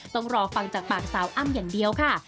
ต้องรอฟังจากปากสาวอ้ำอย่างเดียวค่ะ